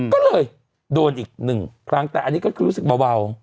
ก็เลยโดนอีกหนึ่งครั้งแต่อันนี้ก็คือรู้สึกเบา